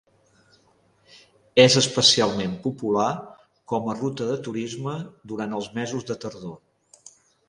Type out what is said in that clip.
És especialment popular com a ruta de turisme durant els mesos de tardor.